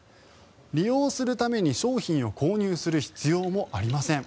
利用するために商品を購入する必要もありません。